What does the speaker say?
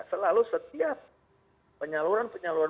selalu setiap penyaluran penyaluran